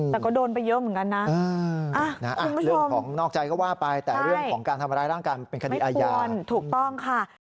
อ๋อแต่ก็โดนไปเยอะเหมือนกันนะ